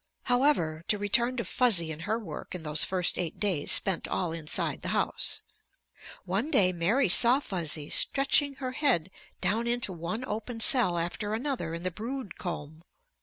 However, to return to Fuzzy and her work in those first eight days spent all inside the house. One day Mary saw Fuzzy stretching her head down into one open cell after another in the brood comb.